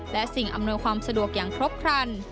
และสิ่งอำนวยความสะดวกอย่างครบครัน